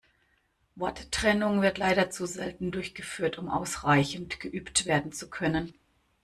Worttrennung wird leider zu selten durchgeführt, um ausreichend geübt werden zu können.